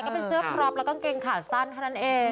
ก็เป็นเสื้อครอบและกางเกงขาสั้นเท่านั้นเอง